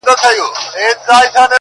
ما پرېږده چي مي ستونی په سلګیو اوبومه.!